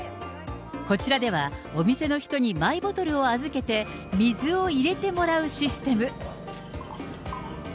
こちらではお店の人にマイボトルを預けて水を入れてもらうシステム。